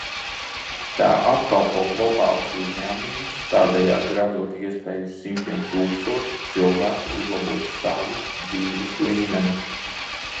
Tā apkalpo globālus uzņēmumus, tādējādi radot iespēju simtiem tūkstošu cilvēku uzlabot savu dzīves līmeni.